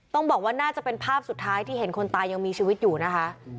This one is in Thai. ต้องบอกว่าน่าจะเป็นภาพสุดท้ายที่เห็นคนตายยังมีชีวิตอยู่นะคะ